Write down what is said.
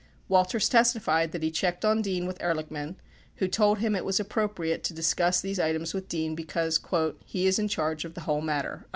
Walters testified that he checked on Dean with Ehrlichman, who told him it was appropriate to discuss these items with Dean because "he is in charge of the whole matter."